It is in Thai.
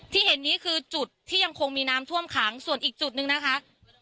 ที่เห็นนี้คือจุดที่ยังคงมีน้ำท่วมขังส่วนอีกจุดหนึ่งนะคะ